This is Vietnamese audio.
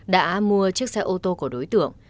đã mua chiếc xe ô tô của đối tượng